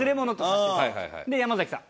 で山崎さん。